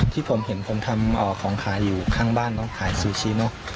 ที่ผมเห็นผมทำของขายอยู่ข้างบ้านน้องขายซูชิเนอะ